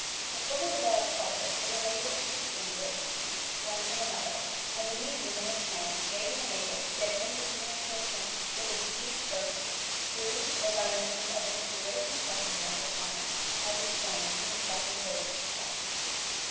A fully developed psychic is enabled to distinguish these, one from another, and a medium in trance may be enabled to get into communi cation with a deceased person through or by means of this fluidic impression left upon it, as explained in the chapter devoted to Trance.